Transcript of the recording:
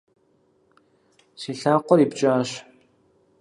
Си лъакъуэр ипкӏащ.